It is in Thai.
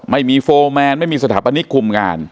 ไม่มีโฟร์แมนไม่มีสถาปนิกคุมงาน